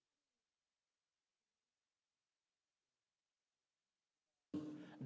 tetapi juga keadilan sosial